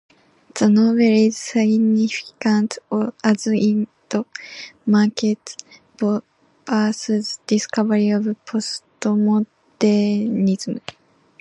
The novel is significant as it marked Barth's discovery of postmodernism.